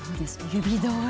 指通り。